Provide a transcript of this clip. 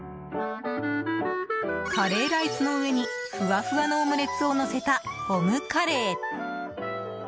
カレーライスの上にふわふわのオムレツをのせたオムカレー。